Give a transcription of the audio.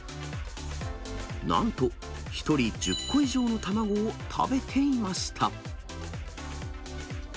なんと、１人１０個以上の卵を食べていました。